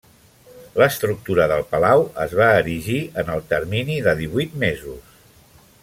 L'estructura del palau es va erigir en el termini de divuit mesos.